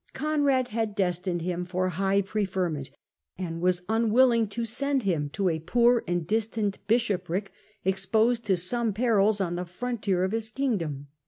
Conrad had destined him for high preferment, and was unwilling to send him to a poor and distant bishopric, exposed to some perils, on the frontier of his kingdom.